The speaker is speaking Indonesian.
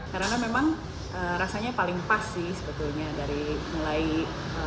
karena memang rasanya paling pas sih sebetulnya dari mulai loteknya